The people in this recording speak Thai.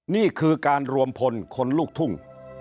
นี่คือการรวมพลคนลูกทุ่ง